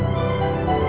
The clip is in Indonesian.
kamu di sini